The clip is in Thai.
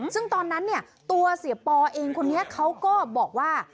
ซึ่งตอนนั้นเนี่ยตัวเสียปอเองคนนี้เขาก็บอกว่า